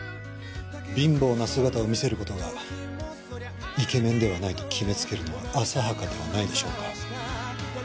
貧乏な姿を見せる事がイケメンではないと決めつけるのは浅はかではないでしょうか？